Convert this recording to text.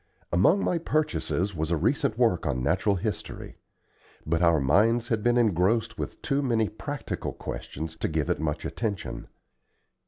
Among my purchases was a recent work on natural history. But our minds had been engrossed with too many practical questions to give it much attention.